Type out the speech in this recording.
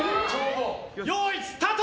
よーい、スタート！